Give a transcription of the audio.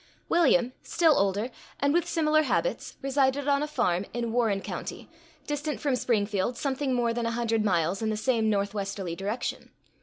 William, still older, and with similar habits, resided on a farm in Warren county, distant from Springfield something more than a hundred miles in the same northwesterly direction.